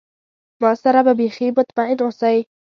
ما سره به بیخي مطمئن اوسی.